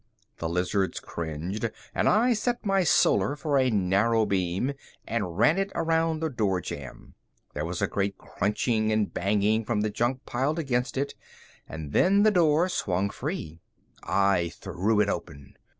The lizards cringed and I set my Solar for a narrow beam and ran it around the door jamb. There was a great crunching and banging from the junk piled against it, and then the door swung free. I threw it open.